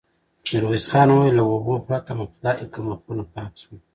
ميرويس خان وويل: له اوبو پرته مو خدايکه مخونه پاک شول.